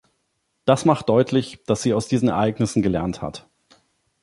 Das macht deutlich, dass sie aus diesen Ereignissen gelernt hat.